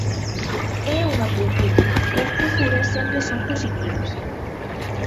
É unha procura, e as procuras sempre son positivas.